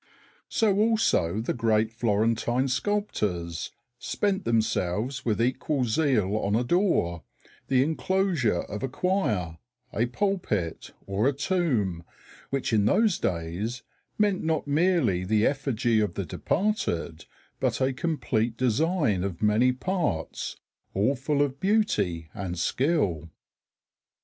So also the great Florentine sculptors spent themselves with equal zeal on a door, the enclosure of a choir, a pulpit, or a tomb, which in those days meant not merely the effigy of the departed, but a complete design of many parts all full of beauty and skill.